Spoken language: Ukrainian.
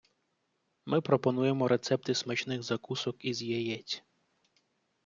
Ми пропонуємо рецепти смачних закусок із яєць.